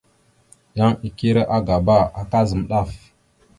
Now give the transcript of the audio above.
Yan ikire agaba, aka zam daf.